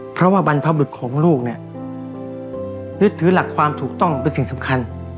เพราะว่าบรรพบุรุษของลูกเนี่ยยึดถือหลักความถูกต้องเป็นสิ่งสำคัญ